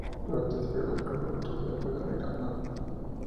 Durante este periodo el conjunto se fue degradando.